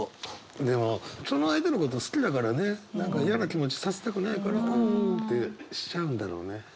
でもその相手のことを好きだからね何か嫌な気持ちさせたくないから「うん」ってしちゃうんだろうね。